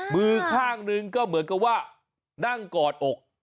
มือข้างหนึ่งก็เหมือนกับว่านั่งกอดอก